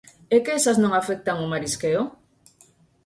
¿É que esas non afectan o marisqueo?